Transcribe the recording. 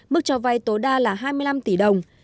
mức cho vay tối đa là hai mươi năm tỷ đồng